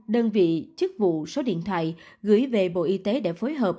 đơn vị chức vụ số điện thoại gửi về bộ y tế để phối hợp